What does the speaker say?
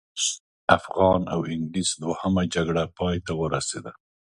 افغان او انګلیس دوهمه جګړه پای ته ورسېده.